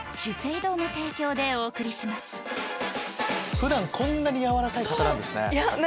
普段こんなに柔らかい方なんですね。